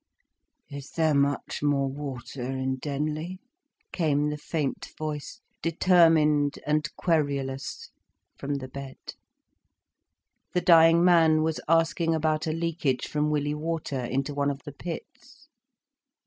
"Is there much more water in Denley?" came the faint voice, determined and querulous, from the bed. The dying man was asking about a leakage from Willey Water into one of the pits.